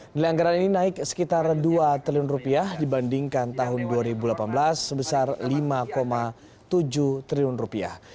nilai anggaran ini naik sekitar dua triliun rupiah dibandingkan tahun dua ribu delapan belas sebesar lima tujuh triliun rupiah